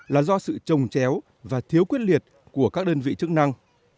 là do sự trồng chéo và thiếu quyết liệt của các đơn vị chức năng